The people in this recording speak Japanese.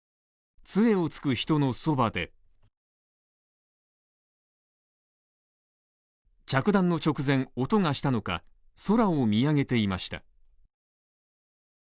杖をつく人のそばで着弾の直前、音がしたのか、空を見上げていました。